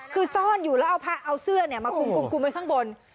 คือซ่อนอยู่แล้วเอาพระเอาเสื้อมาคุมไว้ข้างบน